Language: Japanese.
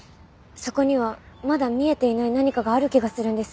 そこにはまだ見えていない何かがある気がするんです。